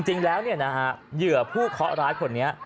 จริงแล้วเหยื่อผู้เคาะร้ายคนนี้